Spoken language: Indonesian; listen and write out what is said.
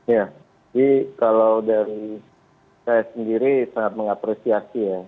ya jadi kalau dari saya sendiri sangat mengapresiasi ya